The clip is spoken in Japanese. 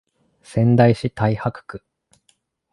仙台市太白区